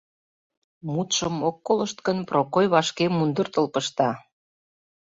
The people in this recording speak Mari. Мутшым ок колышт гын, Прокой вашке мундыртыл пышта.